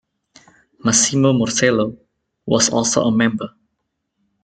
Massimo Morsello was also a member.